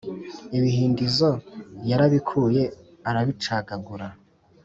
ibihindizo yarabikuye, arabicagagura;